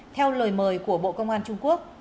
theo lời mời của bộ công an trung quốc